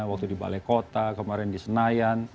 waktu di balai kota kemarin di senayan